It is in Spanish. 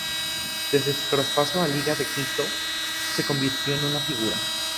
Desde su traspaso a Liga de Quito se convirtió en una figura.